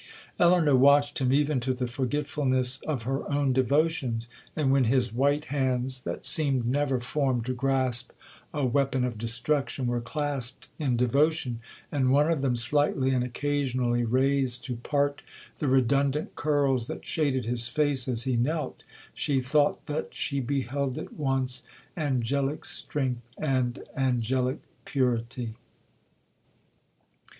Elinor watched him even to the forgetfulness of her own devotions;—and when his white hands, that seemed never formed to grasp a weapon of destruction, were clasped in devotion, and one of them slightly and occasionally raised to part the redundant curls that shaded his face as he knelt, she thought that she beheld at once angelic strength and angelic purity.